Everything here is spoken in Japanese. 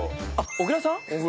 小倉さん。